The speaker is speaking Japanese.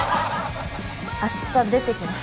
明日出ていきます。